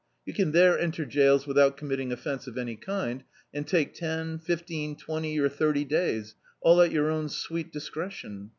You can there enter jails without committing offence of any kind, and take ten, fifteen, twenty or thirty days, all at your own sweet discre tion.